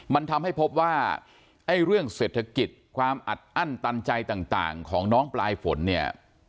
มันทำให้พบว่าไอ้เรื่องเศรษฐกิจความอัดอั้นตันใจต่างของน้องปลายฝนเนี่ย